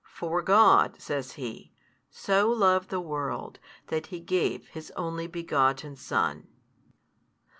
For God, says He, so loved the world that He gave His Only Begotten Son.